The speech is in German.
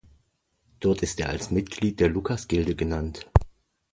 Dort ist er als Mitglied der Lukasgilde genannt.